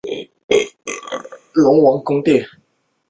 该列表包含已确认并制造商正式推出的装置。